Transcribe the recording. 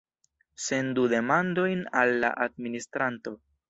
Sendu demandojn al la administranto.